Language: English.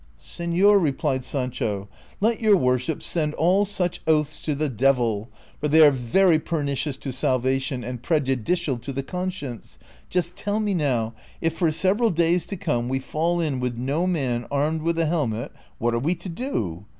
'" Se.lor," replied Sancho, " let your worship send all such oaths to tlie devil, for they are very })ernicious to salvation and prejudicial to the conscience; just tell me now, if for several days to come we fall in with no man armed with a helmet, what are we to do